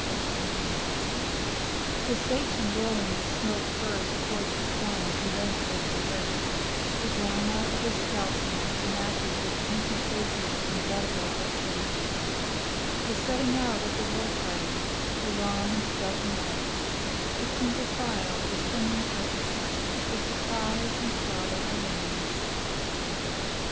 O Pioneers! The sachem blowing the smoke first towards the sun and then towards the earth, The drama of the scalp dance enacted with painted faces and guttural exclamations, The setting out of the war party, the long and stealthy march, The single file, the swinging hatchets, the surprise and slaughter of enemies.